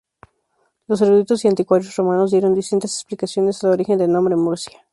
Los eruditos y anticuarios romanos dieron distintas explicaciones al origen del nombre "Murcia".